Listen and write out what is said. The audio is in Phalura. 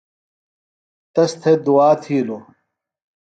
تس تھےۡ دعا تھِیلو۔